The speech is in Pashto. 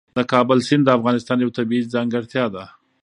د کابل سیند د افغانستان یوه طبیعي ځانګړتیا ده.